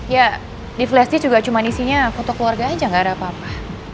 ya di flash disk juga cuma isinya foto keluarga aja gak ada apa apa